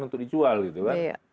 untuk dijual gitu kan